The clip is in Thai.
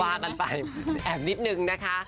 ว่ากันไปแอบนิดนึงนะคะ